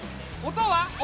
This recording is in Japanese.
音は？